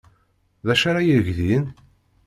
D acu ara yeg din?